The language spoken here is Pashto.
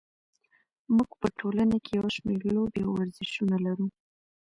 موږ په ټولنه کې یو شمېر لوبې او ورزشونه لرو.